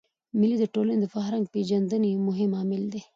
مېلې د ټولني د فرهنګ پېژندني مهم عامل دئ.